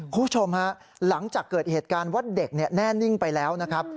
คุณผู้ชมฮะหลังจากเกิดเหตุการณ์ว่าเด็กแน่นิ่งไปแล้วนะครับ